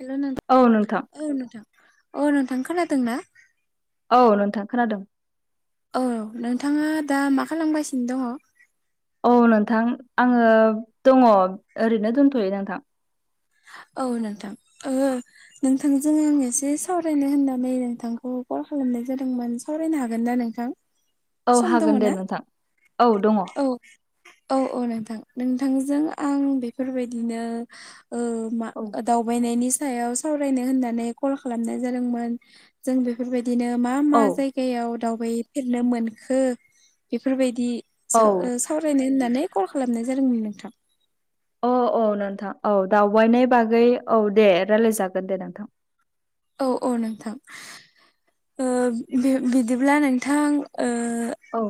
हेल' नों औ नोंथां। औ नोंथां अ' नोंथां खोनादों ना। औ नोंथां खोनादों। औ नोंथाङा दा मा खालामगासिनो दङ। औ नोंथां आङो दङ ओरैनो दोनथ'यो नोंथां। औ नोंथां [unintelligible] नोंथांजों आं एसे सावरायनो होननानै नोंथांखौ कल खालामनाय जादोंमोन सावरायनो हागोन ना नोंथां। औ सम हागोन दङ दे ना नोंथां औ दङ औ। औ औ नोंथां नोंथांजों आं बेफोरबायदिनो ओ मा औ दावबायनायनि सायाव सावरायनो होननानै कल खालामनाय जादोंमोन। जों बेफोरबायदिनो मा मा जायगा जायगायाव दावबायफेरनो मोनखो बेफोरबायदि औ [unintelligible] सावरायनो होननानै कल खालामनाय जादोंमोन नोंथां। औ औ नोंथां औ दावबायनाय बागै औ दे रायलायजागोन दे नोंथां। औ औ नोंथां ओ बि बिदिब्ला नोंथां ओ औ।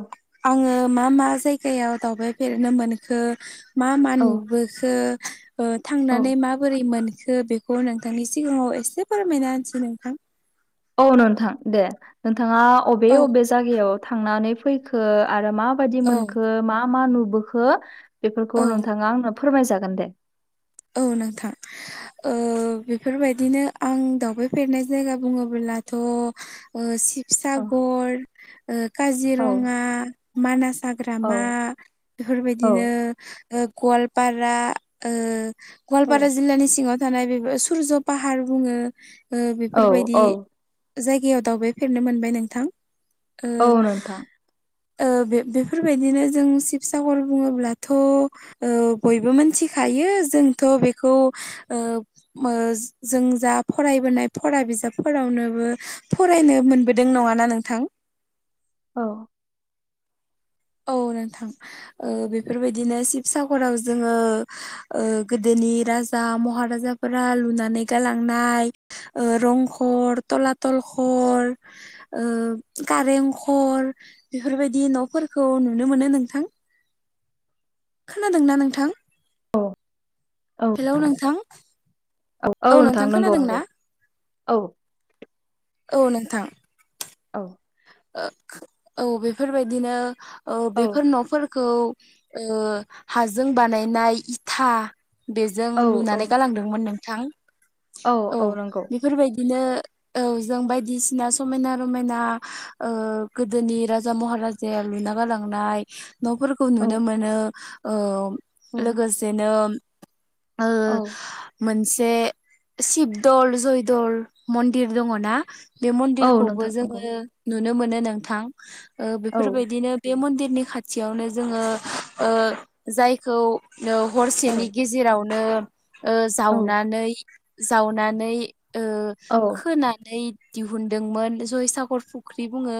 आङो मा मा जायगायाव दावबायफेरनो मोनखो मा मा औ नुबोखो ओ औ थांनानै माबोरै मोनखो बे बेखौ नोंथांनि सिगाङाव एसे फोरमायना होनोसै नोंथां। औ नोंथां दे नोंथाङा अबे औ अबे जायगायाव थांनानै फैखो आरो मा बायदि औ मोनखो मा मा नुबोखो औ बेफोरखौ नोंथाङा आंनो फोरमायजागोन दे। औ नोंथां। ओ बेफोरबायदिनो आं दावबायफेरनाय जायगा बुङोब्लाथ' औ शिबसागर ओ औ काजिरङा मानास औ हाग्रामा औ बेफोरबायदिनो गवालपारा ओ गवालपारा जिल्लानि सिङाव' जानाय बे सुरज पाहार बुङो औ बेफोरबायदि औ जायगायाव दावबायफेरनो मोनबाय नोंथां ओ औ नोंथां ओ बे बेफोरबायदिनो जों शिबसागर बुङोब्लाथ' ओ बयबो मिथिखायो जोंथ' बेखौ ओ ओ जों जा फरायबोनाय फरा बिजाबफोरावनोबो फरायनो मोनबोदों नङाना नोंथां। औ। औ नोंथां ओ बेफोरबायदिनो शिबसागराव जोङो ओ गोदोनि राजा महाराजाफोरा लुनानै गालांनाय ओ रं खर थलाथल कर ओ कारेंखर बेफोरबायदि न'फोरखौ नुनो मोनो नोंथां। खोनादोंना नोंथां। औ। हेल' नोंथां। औ औ नोंथां नंगौ नंगौ औ। औ नोंथां। औ। ओ औ बेफोरबायदिनो ओ औ बेफोर न'फोरखौ ओ हाजों बानायनाय इथा बेजों औ औ लुनानै गालांदों। मोन नोंथां। औ औ नंगौ। फोरबायदिनो औ जों बायदिसिना समायना रमायना ओ गोदोनि राजा महाराजाया लुना गालांनाय न'फोर औ नुनो मोनो ओ औ लोगोसेनो ओ औ मोनसे शिबदल जयदल मन्दिर दङ ना बे औ मन्दिरखौबो नोंथां नंगौ जोङो नुनो मोनो नोंथां औ बेफोरबायदिनो बे मन्दिरनि खाथियावनो जोङो ओ जायखौ ओ औ हरसेनि गेजेर रावनो औ जावनानै जावनानै ओ औ खोनानै दिहुनदोंमोन जयसागर फुख्रि बुङो।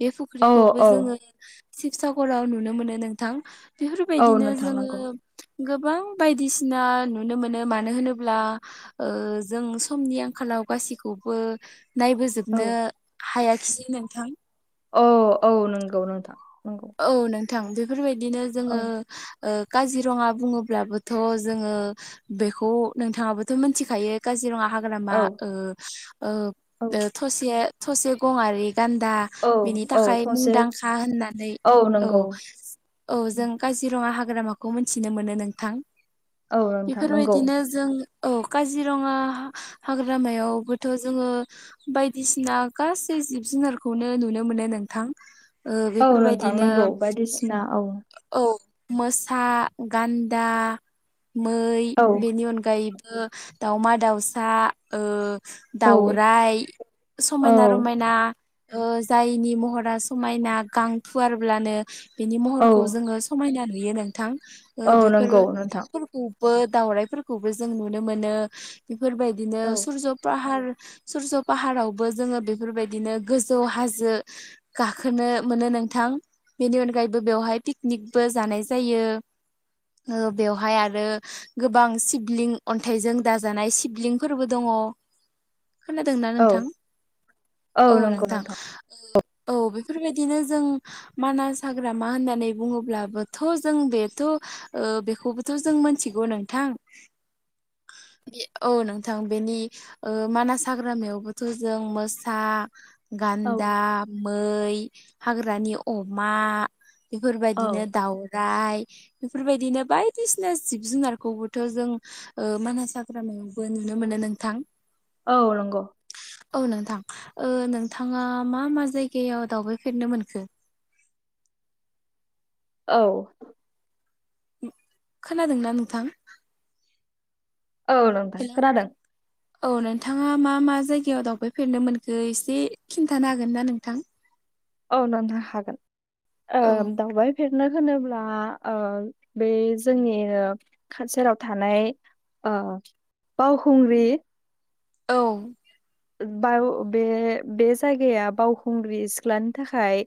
बे औ फुख्रिखौबो औ जोङो शिबसागराव नुनो मोनो नोंथां। औ बेफोरबायदिनो नोंथां जोङो नंगौ गोबां बायदिसिना नुनो मोनो मानो होनोब्ला ओ जों समनि आंखालाव गासैखौबो औ नायबोजोबनो हायाखिसै नोंथां। औ औ नंगौ नोंथां नंगौ। औ नोंथां बेफोरबायदिनो औ जोङो ओ काजिरङा बुङोब्लाबोथ' जोङो बेखौ नोंथाङाबोथ' मिथिखायो। काजिरङा हाग्रामा औ ओ ओ औ थसे थसे गङारि गान्दा औ बिनि औ थाखाय थसे मुंदांखा होननानै औ औ नंगौ औ जों काजिरङा हाग्रामाखौ मिथिनो मोनो नोंथां। औ नोंथां नंगौ बेफोरबायदिनो जों औ काजिरङा हाग्रामायावबोथ' जोङो बायदिसिना गासै जिब जुनारखौनो नुनो मोनो नोंथां ओ औ बेफोरबायदि नोंथां नो नंगौ बायदिसिना औ औ। मोसा गान्दा मै औ बेनि अनगायैबो दाउमा दाउसा ओ औ दाउरायाइ औ समायना रमायना। ओ जायनि महरा समायना गां फुवारब्लानो बिनि औ महरखौ जोङो समायना नुयो नोंथां औ ओ नंगौ नोंथां बेफोरो बो दावराइफोरखौबो जों नुनो मोनो बेफोरबायदिनो औ सुरज' पाहार सरस' पाहारावबो जोङो बेफोरबायदिनो गोजौ हाजो गाखोनो मोनो नों थां बेनि अनगायैबो बेवहाय पिकनिकबो जानाय जायो। ओ बेवहाय आरो। गोबां सिबलिं अन्थाइजों दाजानाय सिबलिंफोरबो दङ। खोनादोंना औ नोंथां? औ नोंथां। औ बेफोरबायदिनो जों मानास हाग्रामा होननानै बुङोब्लाबोथ' जों बेथ' ओ बेखौ जों मिथिगौ नोंथां औ नोंथां बेनि ओ मानास हाग्रामायावबोथ' जों मोसा औ गान्दा मै हाग्रानि अमा। बेफोरबायदिनो औ। दावराइ। बेफोरबायदिनो बायदिसिना जिब जुनारखौबोथ' जों मानास हाग्रामायावबो नुनो मोनो नोंथां। औ नंगौ। औ नोंथां नोंथाङा मा मा जायगायाव दावबायफेरनो मोनखो? औ। खोनादोंना नोंथां? औ नंथां हेलौ खोनादों। औ नोंथाङा मा मा जायगायाव दावबायफेरनो मोनखो एसे खिन्थानो हागोन ना नोंथां। औ नोंथां हागोन। औ दावबाय फेरनो होनोब्ला बे जोंनि गेजेराव थानाय अ बावखुंग्रि औ। ब बे बे जायगाया बावखुंग्रि सिख्लानि थाखाय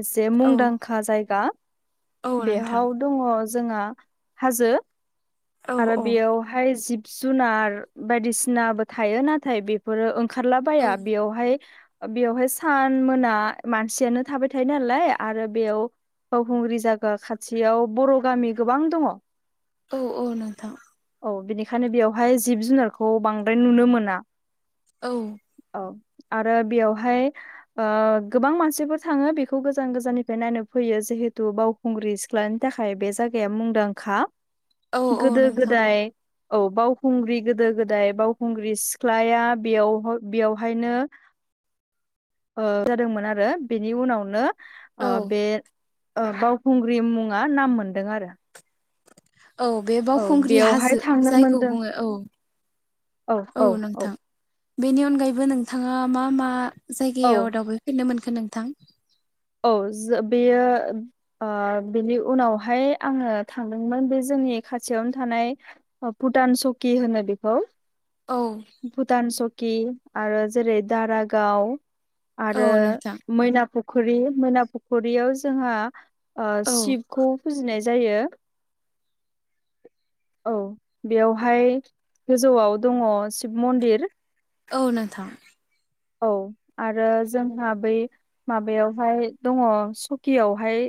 एसे औ मुंदांखा जायगा औ नोंथां बेयाव दङ जोंहा हाजो औ आरो औ बेयाव बाय जिब जुनार बायदिसिनाबो थायो। नाथाय बेफोरो औ खारलाबाया बेयावहाय बेवहाय सान मोना मानसियानो थाबाय थायो नालाय। आरो बेयाव फावखुंग्रि जागा खाथियाव बर' गामि गोबां दङ। औ औ नोंथां। औ। बेनिखायनो बेवहाय जिब जुनारखौ बांद्राय नुनो मोना। औ। औ आरो बेयावहाय गोबां मानसिफोर थाङो। बेखौ गोजान गोजाननिफ्राय नायनो फैयो जिहेथु बाव खुंग्रि सिख्लानि थाखाय बे जायगाया मुंदांखा। औ औ गोदो नोंथां गोदाय औ। बावखुंग्रि गोदो गोदाय बावखुंग्रि सिख्लाया बेयाव बेयावहायनो जादोंमोन आरो। बेनि उनावनो औ बे बावखुंग्रि मुङा नाम मोन्दों आरो। औ। बे औ बावखुंग्रि बेयावहाय हाजो थांनो जायखौ मोनदों बुङो औ। औ नोंथां। बेनि अनगायैबो नोंथाङा मा मा औ जायगायाव दावबाय फेरनो मोनखो नोंथां? औ जे बेयो बेनि उनावहाय आङो थांदोंमोन। बे जोंनि खाथियावनो थानाय भुटान सकि होनो बेखौ औ। भुटान सकि आरो जेरै- दारागाव औ आरो नोंथां मैना फुखुरि मैना फुखुरियाव जोंहा औ सिब खौ फुजिनाय जायो। औ बेवहाय गोजौआव दङ शिब मन्दिर। औ नोंथां। औ आरो जोंहा बै माबायावहाय दङ सकियावहाय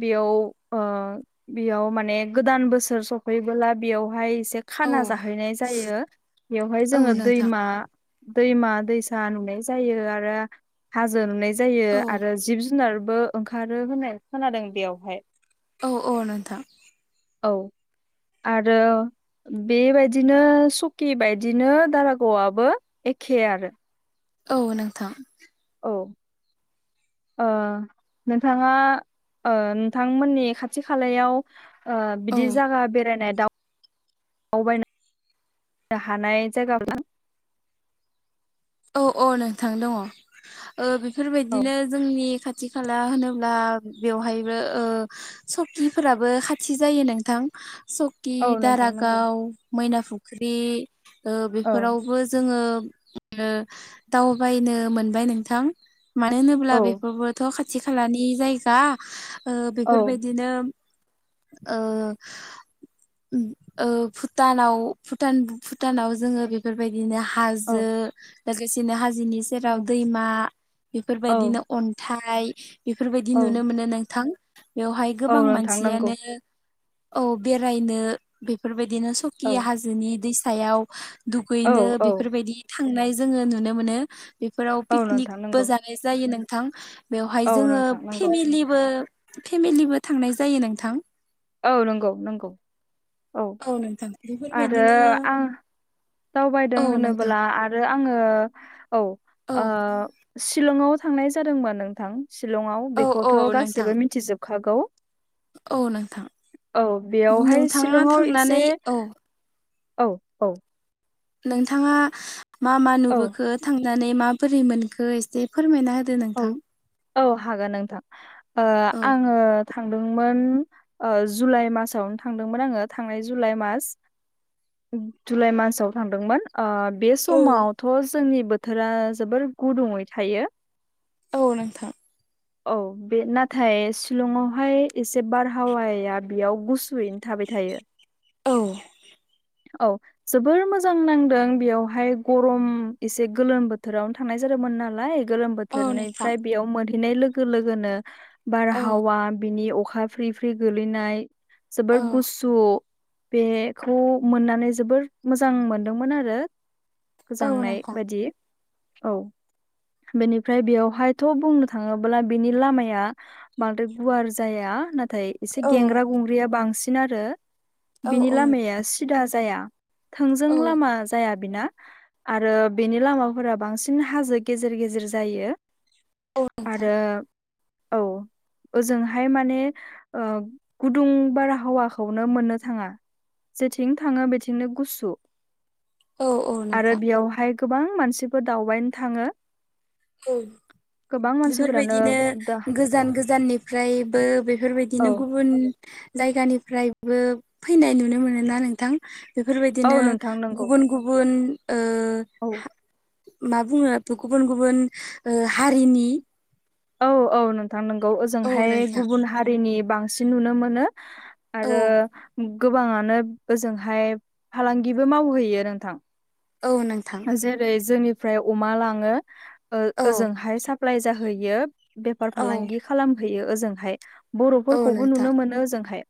बेयाव बेयाव माने गोदान बोसोर सफैबोला बेयावहाय एसे औ खाना जाहैनाय जायो। बेवहाय औ जोङो नोंथां दैमा दैमा दैसा नुनाय जायो आरो हाजो नुनाय जायो औ आरो जिब जुनार बो ओंखारो होननाय खोनादों बेयावहाय औ औ नोंथां। औ आरो बे बायदिनो सकि बदिनो दारागावआबो एखे आरो। औ नोंथां। औ नोंथाङा नोंथांमोननि खाथि खालायाव औ बिदि जायगा बेरायनाय दा दावबायनो हानाय जायगाफ्रा। औ औ नोंथां दङ। औ बेफोरबायदिनो जोंनि खाथि खाला होनोब्ला बेवहायबो सकिफोराबो खाथि जायो नोंथां। स खि, औ नोंथां नंगौ दारागाव मैना फुख्रि, औ बेफोरावबो जोङो दावबायनो मोनबाय नोंथां मानो होनोब्ला औ बेफोरबोथ' खा थि खालानि जायगा औ बेफोरबायदिनो ओ भुटानाव भुटान भुटानाव जोङो बे बेफोरबायदिनो औ हाजो लोगोसेनो हाजोनि जेराव औ दैमा बेफोरबायदिनो अन्थाइ बेफोरबायदि नुनो औ मोनो नोंथां बेवहाय औ गोबां नोंथां नंगौ मानसियानो औ बेरायनो बेफोरबायदिनो सकि औ हाजोनि दैसायाव औ दुगैनो औ बेफोरबायदि थांनाय जोङो नुनो मोनो बेफोराव औ नोंथां पिकनिकबो नंगौ जा जायो नोंथां बेवहाय औ जोङो नोंथां नंगौ फेमेलि बो फेमिलिबो थांनाय जायो नोंथां औ नंगौ नंगौ औ नोंथां आरो बेफोरबायदिनो आं दावबायदों औ नोंथां होनोबोला आरो आङो औ औ शिलंआव थांनाय जादोंमोन नोंथां शिलंआव औ औ बेखौथ' नोंथां गासैबो मिथिजोबखागौ औ नोंथां औ बेयावहाय नोंथाङा शिलंआव एसे थांनानै औ औ औ नोंथाङा मा मा औ नुबोखो थांनानै माबोरै मोनखो एसे फोरमायना होदो नोंथां औ औ हागोन नोंथां औ आङो थांदोंमोन जुलाइ मासावनो थांदोंमोन आङो थांनाय जुलाइ मास जुलाइ मासाव थांदोंमोन बे औ समावथ' जोंनि बोथोरा जोबोर गुदुङै थायो औ नोंथां औ बे नाथाय सिलंआवहाय एसे बारहावाया बेयाव गु सुयैनो थाबाय थायो औ औ जोबोर मोजां नांदों बेयावहाय गरम एसे गोलोम बोथोरावनो थांनाय जादोंमोन नालाय गोलोम बो औ नोंथां बोथोरनिफ्राय बेयाव मोनहैनाय लोगो लोगोनो औ बारहावा बिनि अखा फ्रि फ्रि गोलैनाय जोबोर औ गुसु बेखौ मोननानै जोबोर मोजां मोनदोंमोन आरो औ गोजांनाय नोंथां बायदि औ बेनिफ्राय बेयावहायथ' बुंनो थाङोब्ला बिनि लामाया बांद्राय गुवार जाया नाथाय एसे औ गेंग्रा गुंग्रिया बांसिन आरो औ बिनि औ लामाया सिदा जाया थोंजों औ लामा जाया बेना आरो बेनि लामाफोरा बांसिन हाजो गेजेर गेजेर जायो औ नोंथां आरो औ ओजोंहाय माने ओ गुदुं बारहावाखौनो मोननो थाङा थिं थाङो बेथिंनो गुसु औ औ आरो नोंथां बेयावहाय गोबां मानसिफोर दावबायनो थाङो गोबां मानसिफोरानो बेफोरबायदिनो दा गोजान गोजाननिफ्रायबो औ बेफोरबायदिनो गुबुन जायगानिफ्रायबो फैनाय नुनो मोनोना नोंथां औ बेफोरबायदिनो नोंथां नंगौ गुबुन गुबुन ओ औ मा बुङो थ' गुबुन गुबुन हारिनि औ औ नोंथां नोंगौ औ ओजोंहाय नोंथां गुबुन हारिनि बांसिन नुनो मोनो औ आरो गोबाङानो ओजोंहाय फालांगिबो मावहैयो नोंथां औ नोंथां जेरै जोंनिफ्राय अमा लाङो औ ओजोंहाय साप्लााय जाहैयो। बेफार औ फालांगि खालामहैयो ओजोंहाय औ बर'फोरखौबो नोंथां नुनो मोनो ओजोंहाय।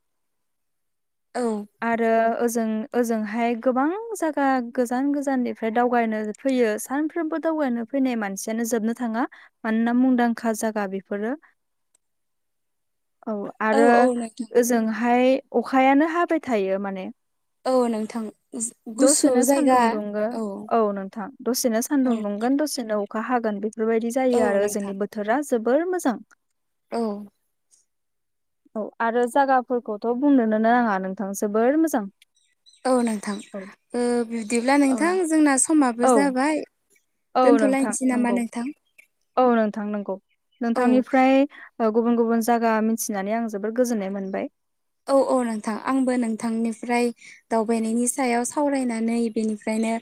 औ आरो ओजों ओजोंहाय गोबां जायगा गोजान गोजाननि ओमफ्राय दावगानो फैयो सानफ्रोमबो दावगानो फैनाय मानसियानो जोबनो थाङा। मानोना मुंदांखा जागा बेफोरो। [inaudible] औ आरो औ नोंथां ओजोंहाय अखायानो हाबाय थायो माने औ नोंथां गुसु दसेनो सान्दुं जायगा दुङो औ। औ नोंथां दसेनो सान्दुं औ दुंगोन दसेनो अखा हागोन बेफोरबायदि औ जायो आरो नोंथां ओजोंनि बो बोथोरा जोबोर मोजां। औ औ आरो जागाफोरखौथ' बुंनोनो नाङा नोंथां जोबोर मोजां। औ नोंथां औ बिदिब्ला नोंथां जोंना ओ औ समाबो जाबाय। औ नोंथां दोनथ'लायनोसै नामा नंगौ नोंथां। औ नोंथां नंगौ औ नोंथांनिफ्राय गुबुन गुबुन जायगा मिथिनानै आं जोबोद गोजोननाय मोनबाय। औ औ नोंथां आंबो नोंथांनिफ्राय दावबायनायनि सायाव सावरायनानै बेनिफ्रायनो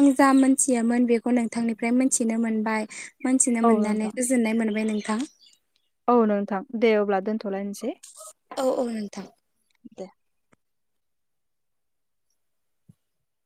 आं जा मोनथियामोन बेखौ खौ नोंथांनिफ्राय मोनथिनो मोनबाय मोनथिनो औ मोननानै नोंथां गोजोननाय मोनबाय नोंथां। औ नोंथां दे अब्ला दोनथ'लायनोसै। औ औ नोंथां। दे